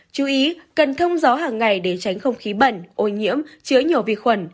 chú ý cần thông gió hàng ngày để tránh không khí bẩn ô nhiễm chứa nhiều vi khuẩn